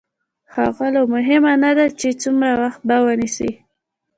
ښاغلو مهمه نه ده چې څومره وخت به ونيسي.